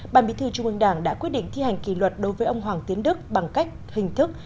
bàn bí thư trung ương đảng đã quyết định thi hành kỷ luật đối với ông hoàng tiến đức bằng cách hình thức